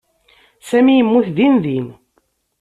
Sami yemmut dindin.